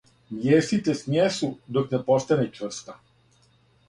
Мијесите смјесу док не постане чврста.